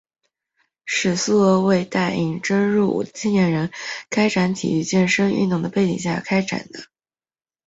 是苏俄为待应征入伍的青年人开展体育健身运动的背景下开展的。